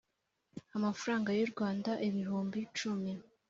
amafaranga y u Rwanda ibihumbi cumi